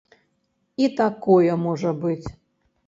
І такое можа быць.